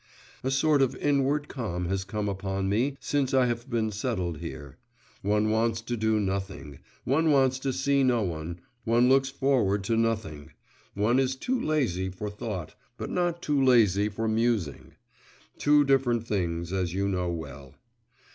… A sort of inward calm has come upon me since I have been settled here; one wants to do nothing, one wants to see no one, one looks forward to nothing, one is too lazy for thought, but not too lazy for musing; two different things, as you know well.